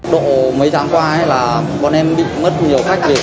độ mấy tháng qua bọn em bị mất nhiều khách